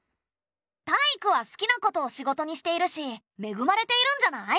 タイイクは好きなことを仕事にしているしめぐまれているんじゃない？